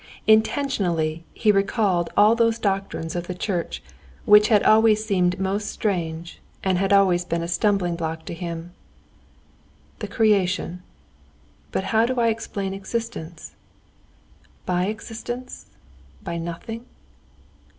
Intentionally he recalled all those doctrines of the church which had always seemed most strange and had always been a stumbling block to him. "The Creation? But how did I explain existence? By existence? By nothing?